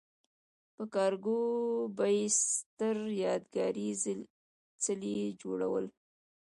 په کارګرو به یې ستر یادګاري څلي جوړول.